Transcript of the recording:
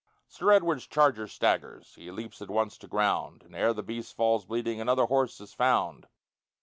Sir Edward's charger staggers; He leaps at once to ground. And ere the beast falls bleeding Another horse is found.